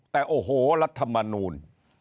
แต่โอ้โหรัฐมนูล